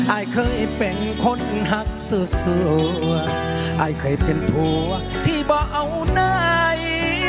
อายเคยเป็นคนหักสวยอายเคยเป็นผัวที่บ่เอาไหน